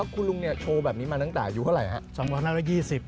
คุณลุงเนี่ยโชว์แบบนี้มาตั้งแต่อายุเท่าไหร่ครับ